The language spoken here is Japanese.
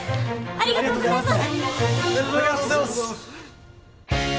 ありがとうございます！